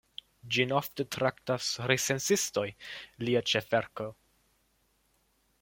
Ĝin ofte traktas recenzistoj lia ĉefverko.